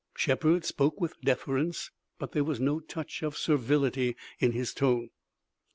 Shepard spoke with deference, but there was no touch of servility in his tone.